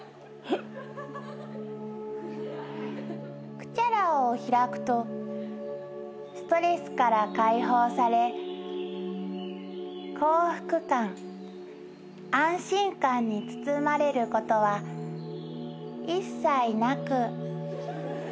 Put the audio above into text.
クチャラを開くとストレスから解放され幸福感安心感に包まれることは一切なく。